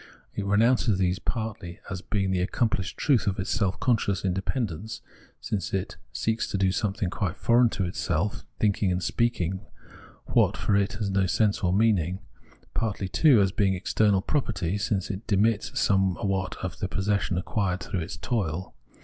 It renounces these, partly as being the accomplished truth of its self coiiseious independence, since it seeks to do something «quite foreign to itself, thinking and speaking what, for ^id, has no sense or meaning ; f partly, too, as being e:f ternal property — siace it demits somewhat of the pojssession acquired through its toil.